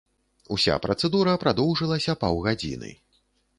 Уся працэдура прадоўжылася паўгадзіны.